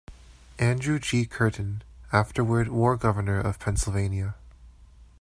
Andrew G. Curtin, afterward war governor of Pennsylvania.